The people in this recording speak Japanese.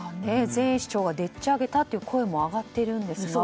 前市長がでっち上げたという声も上がっていますが。